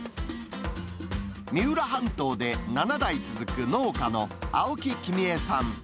三浦半島で７代続く農家の青木きみえさん。